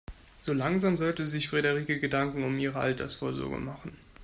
So langsam sollte sich Frederike Gedanken um ihre Altersvorsorge machen.